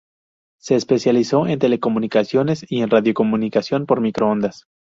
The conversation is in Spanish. Se especializó en telecomunicaciones y en radiocomunicación por microondas.